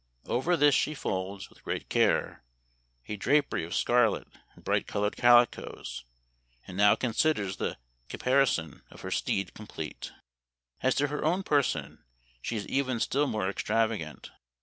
Over this she folds, with great care, a drapery of scarlet and bright colored calicoes, and now considers the caparison of her steed complete. " As to her own person she is even still more extravagant.